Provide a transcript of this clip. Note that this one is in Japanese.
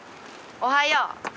おはよう。